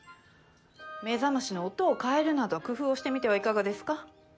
目覚ましの音を変えるなど工夫をしてみてはいかがですか？